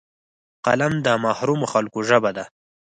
قلم د محرومو خلکو ژبه ده